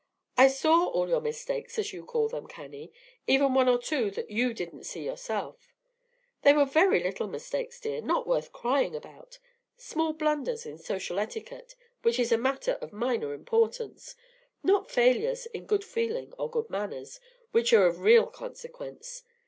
I saw all your 'mistakes,' as you call them, Cannie, even one or two that you didn't see yourself. They were very little mistakes, dear, not worth crying about, small blunders in social etiquette, which is a matter of minor importance, not failures in good feeling or good manners, which are of real consequence.